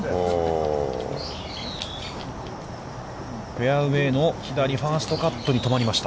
フェアウェイの左、ファーストカットに止まりました。